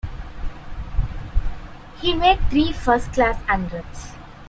He made three first class hundreds.